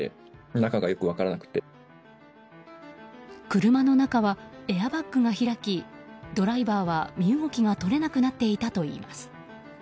車の中はエアバッグが開きドライバーは身動きが取れなくなっていたといいます。